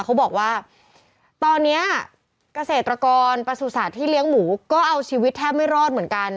เขาบอกว่าตอนนี้เกษตรกรประสุทธิ์ที่เลี้ยงหมูก็เอาชีวิตแทบไม่รอดเหมือนกัน